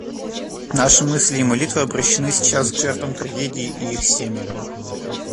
Наши мысли и молитвы обращены сейчас к жертвам трагедии и их семьям.